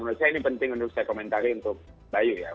menurut saya ini penting untuk saya komentari untuk bayu ya